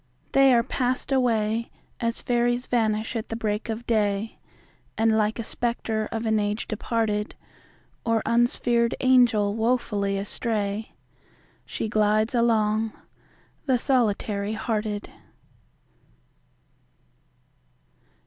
They are past away As Fairies vanish at the break of day; And like a spectre of an age departed, Or unsphered Angel wofully astray, She glides along—the solitary hearted.